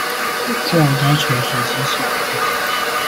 或要求學生下課